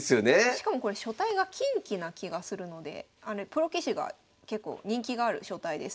しかもこれ書体が錦旗な気がするのでプロ棋士が結構人気がある書体ですね。